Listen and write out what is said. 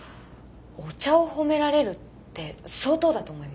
お茶を褒められるって相当だと思います。